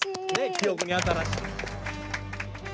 記憶に新しい。